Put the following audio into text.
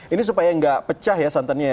ini supaya nggak pecah ya santannya ya